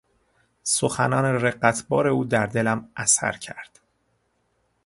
سخنان رقتبار او در دلم اثر کرد.